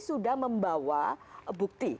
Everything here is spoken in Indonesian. sudah membawa bukti